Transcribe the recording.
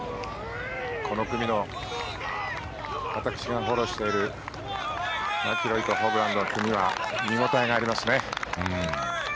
この組の私がフォローしているマキロイとホブランの組は見応えがありますね。